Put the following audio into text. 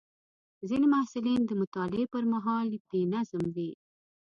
ځینې محصلین د مطالعې پر مهال بې نظم وي.